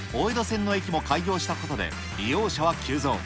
その３か月後に大江戸線の駅も開業したことで利用者は急増。